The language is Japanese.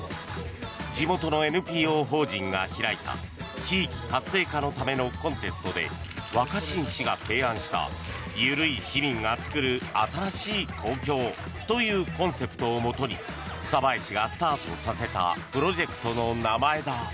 地元のＮＰＯ法人が開いた地域活性化のためのコンテストで若新氏が提案したゆるい市民が創る新しい公共というコンセプトをもとに鯖江市がスタートさせたプロジェクトの名前だ。